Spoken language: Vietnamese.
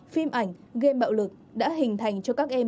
phim ảnh game bạo lực đã hình thành cho các em